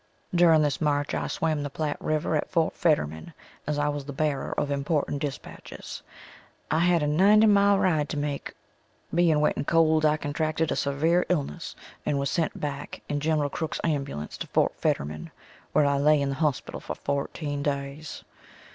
During this march I swam the Platte river at Fort Fetterman as I was the bearer of important dispatches. I had a ninety mile ride to make, being wet and cold, I contracted a severe illness and was sent back in Gen. Crook's ambulance to Fort Fetterman where I laid in the hospital for fourteen days.